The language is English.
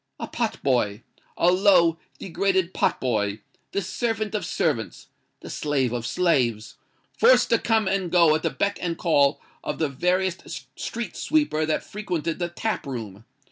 A pot boy—a low, degraded pot boy: the servant of servants—the slave of slaves—forced to come and go at the beck and call of the veriest street sweeper that frequented the tap room!